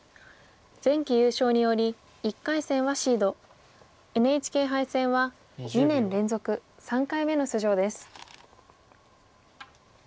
前期優勝により１回戦はシードＮＨＫ杯戦は２年連続３回目の出場です。